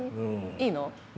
いいの？